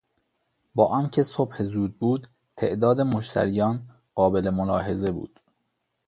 با آنکه صبح زود بود تعداد مشتریان قابل ملاحظه بود.